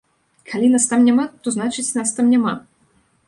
Калі нас там няма, то значыць нас там няма.